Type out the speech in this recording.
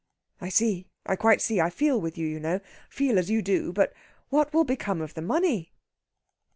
"I see. I quite see. I feel with you, you know; feel as you do. But what will become of the money?"